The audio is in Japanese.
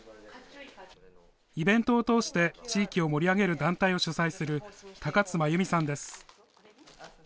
イベントを通して、地域を盛り上げる団体を主宰する、高津真裕美さんです。